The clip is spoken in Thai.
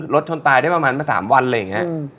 รถชนตายได้ประมาณ๓วันเลยอย่างเงี้ย